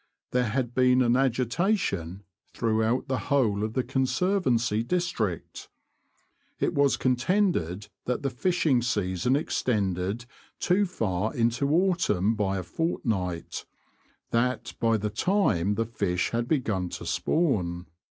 There had been an agitation throughout the whole of the Conservancy district. It was contended that the fishing season extended too far into Autumn by a fortnight — that by that time the fish had begun to spawn.